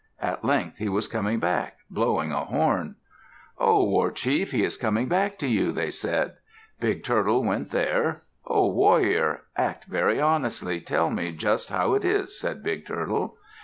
At length he was coming back, blowing a horn. "Ho, war chief, he is coming back to you," they said. Big Turtle went there. "Ho, warrior. Act very honestly. Tell me just how it is," said Big Turtle.